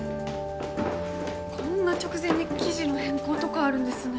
こんな直前に生地の変更とかあるんですね